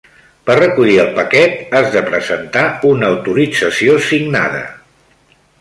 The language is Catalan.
Per recollir el paquet has de presentar una autorització signada.